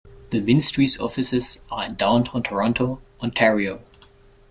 The Ministry's offices are in downtown Toronto, Ontario.